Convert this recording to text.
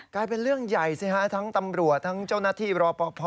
กลายเป็นเรื่องใหญ่สิฮะทั้งตำรวจทั้งเจ้าหน้าที่รอปภ